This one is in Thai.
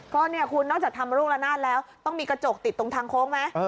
ก็เนี่ยคุณนอกจากทำลูกละนาดแล้วต้องมีกระจกติดตรงทางโค้งไหม